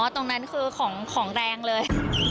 ตรงนั้นคือของแรงเลย